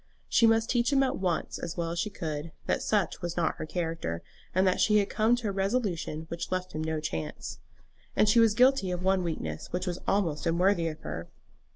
She must teach him at once, as well as she could, that such was not her character, and that she had come to a resolution which left him no chance. And she was guilty of one weakness which was almost unworthy of her.